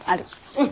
うん。